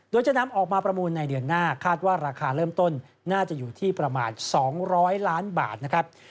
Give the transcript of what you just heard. โดยจะนำออกมาประมูลในเดือนหน้าคาดว่าราคาเริ่มต้นน่าจะอยู่ที่ประมาณ๒๐๐ล้านบาทนะครับ